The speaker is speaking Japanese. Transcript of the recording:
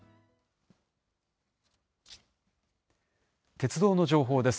鉄道の情報です。